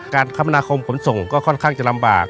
การคำนาคมผลส่งก็ค่อนข้างจะลำบาก